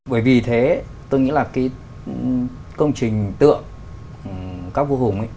bởi vì thế tôi nghĩ là cái công trình tượng các vua hùng ấy